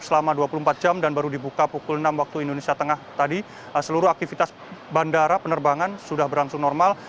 selama dua puluh empat jam dan baru dibuka pukul enam waktu indonesia tengah tadi seluruh aktivitas bandara penerbangan sudah berangsur normal